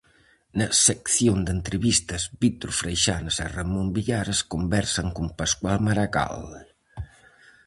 Na sección de entrevistas Víctor Freixanes e Ramón Villares conversan con Pascual Maragall.